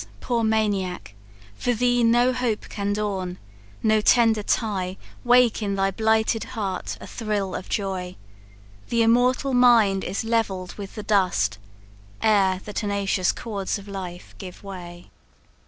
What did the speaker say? poor maniac; For thee no hope can dawn no tender tie Wake in thy blighted heart a thrill of joy; The immortal mind is levelled with the dust, Ere the tenacious chords of life give way!"